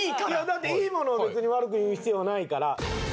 だっていいものを別に悪く言う必要はないから。